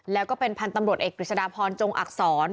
แล้วก็เป็นพันธรรมดรเอกกริจดาพรโจงอักษร